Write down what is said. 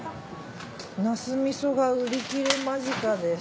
なす味噌が売り切れ間近です。